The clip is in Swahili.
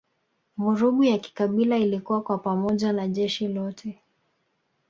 Vurugu ya kikabila ilikua kwa pamoja na jeshi lote